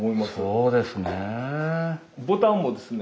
そうですね。